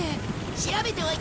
調べておいた。